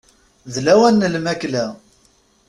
D lawan n lmakla.